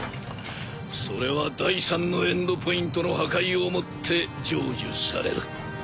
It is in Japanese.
それは第三のエンドポイントの破壊をもって成就される。